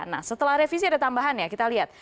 nah setelah revisi ada tambahan ya kita lihat